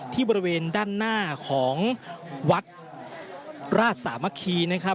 บริเวณด้านหน้าของวัดราชสามัคคีนะครับ